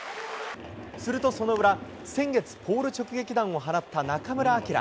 すると、その裏、先月、ポール直撃弾を放った中村晃。